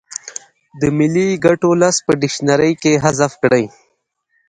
د ملي ګټو لفظ په ډکشنري کې حذف کړي.